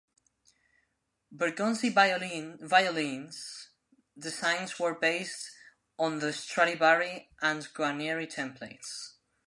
Bergonzi violin designs were based on the Stradivari and Guarneri templates.